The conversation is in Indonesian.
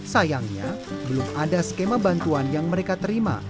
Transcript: sayangnya belum ada skema bantuan yang mereka terima